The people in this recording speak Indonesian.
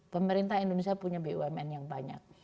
pemerintah indonesia punya bumn yang banyak